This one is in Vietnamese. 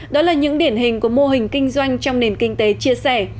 đó là những điển hình của mô hình kinh doanh trong nền kinh tế chia sẻ